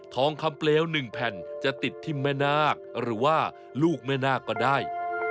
ทองคำเปลว๑แผ่นจะติดที่แม่นาคหรือว่าลูกแม่นาคก็ได้